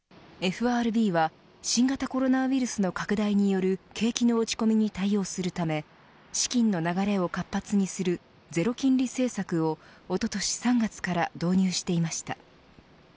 ＦＲＢは新型コロナウイルスの拡大による景気の落ち込みに対応するため資金の流れを活発にするゼロ金利政策をおととし３月から導入していました。